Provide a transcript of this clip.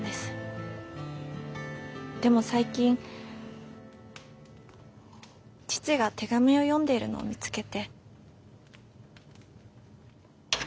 でも最近父が手紙を読んでいるのを見つけて。